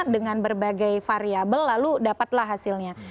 dengan berbagai variable lalu dapatlah hasilnya